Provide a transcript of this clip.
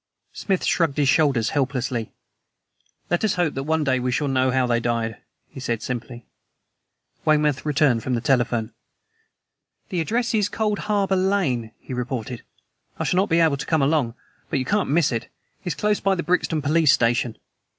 Smith shrugged his shoulders helplessly. "Let us hope that one day we shall know how they died," he said simply. Weymouth returned from the telephone. "The address is No. Cold Harbor Lane," he reported. "I shall not be able to come along, but you can't miss it; it's close by the Brixton Police Station.